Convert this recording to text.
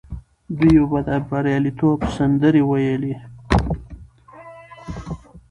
دوی به د بریالیتوب سندرې ویلې.